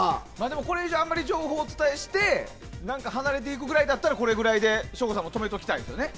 これ以上あまり情報をお伝えして離れていくぐらいならこれくらいで省吾さんも止めときたいですよね。